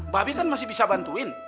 babi kan masih bisa bantuin